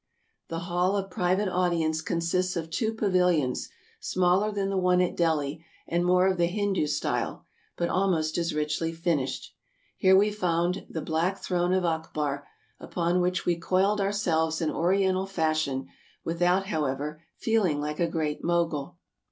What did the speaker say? The Hall of Private Audience consists of two pavilions, smaller than the one at Delhi and more of the Hindoo style, but almost as richly finished. Here we found the Black Throne of Akbar, upon which we coiled ourselves in Oriental fashion, without, however, feeling like a Great Mogul.